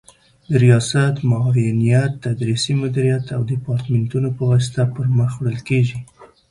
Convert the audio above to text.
د ریاست، معاونیت، تدریسي مدیریت او دیپارتمنتونو په واسطه پر مخ وړل کیږي